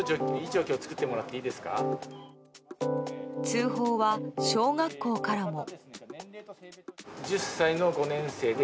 通報は小学校からも。